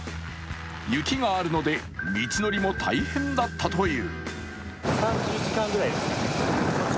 雪があるので道のりも大変だったという。